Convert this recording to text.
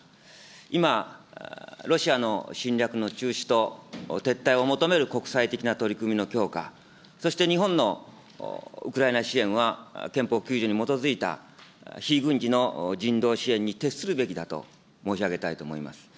今、ロシアの侵略の中止と撤退を求める国際的な取り組みの強化、そして日本のウクライナ支援は憲法９条に基づいた非軍事の人道支援に徹するべきだと申し上げたいと思います。